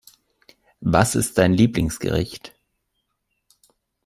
Was ist dein Lieblingsgericht?